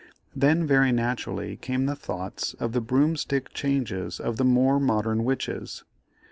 Then very naturally came thoughts of the broomstick changes of the more modern witches.